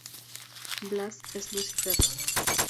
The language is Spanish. Blas es Lucifer.